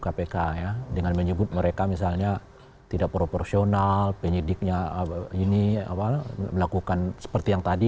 keputusan kpk dengan menyebut mereka misalnya tidak proporsional penyidiknya melakukan seperti yang tadi